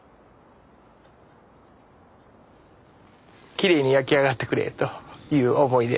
きれいに焼き上がってくれという思いで。